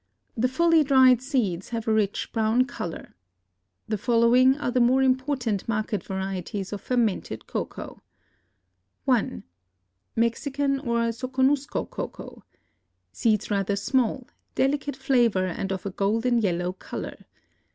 The fully dried seeds have a rich brown color. The following are the more important market varieties of fermented cocoa: 1. Mexican or Soconusco Cocoa.—Seeds rather small, delicate flavor and of a golden yellow color.